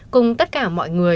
cùng tất cả mọi người